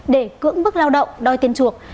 để cưỡng bức lao động đôi tiên chuộc